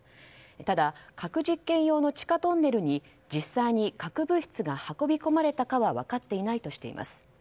ただ、核実験用の地下トンネルに実際に核物質が運び込まれたかは分かっていないとしています。